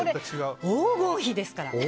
黄金比ですから。